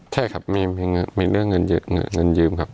ใช่ครับมีเรื่องเงินยืมครับ